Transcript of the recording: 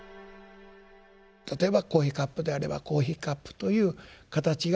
例えばコーヒーカップであればコーヒーカップという形がありますよね。